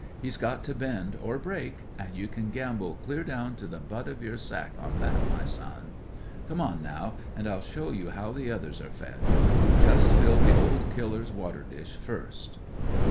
He's got to bend or break, and you can gamble clear down to the butt of your sack on that, my son. Come on now, and I'll show you how the others are fed. Just fill old Killer's water dish first."